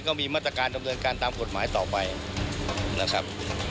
ก็มีมาตรการดำเนินการตามกฎหมายต่อไปนะครับ